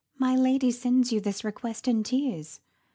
My lady sends you this request in tears.